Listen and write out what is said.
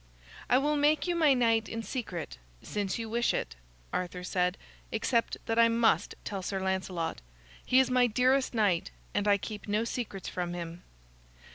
"I will make you my knight in secret, since you wish it," Arthur said, "except that I must tell Sir Lancelot. He is my dearest knight, and I keep no secrets from him."